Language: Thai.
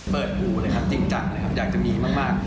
เปิดหูเลยครับจริงจังนะครับอยากจะมีมาก